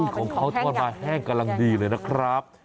ของเขาทอดมาแห้งกำลังดีเลยนะครับ